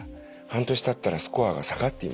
半年たったらスコアが下がっていました。